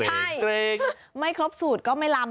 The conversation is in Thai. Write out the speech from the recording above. ไม่ใช่ไม่ครบสูตรก็ไม่ลำ